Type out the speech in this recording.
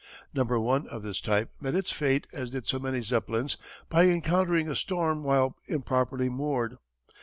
No. I of this type met its fate as did so many Zeppelins by encountering a storm while improperly moored.